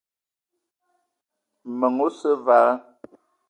Meng osse vala.